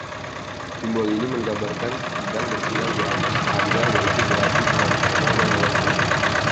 Simbol ini menggambarkan pedang bersilang di atas "khanjar", yaitu belati tradisional yang melengkung.